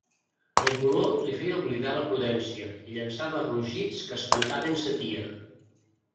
El dolor li feia oblidar la prudència, i llançava rugits que espantaven sa tia.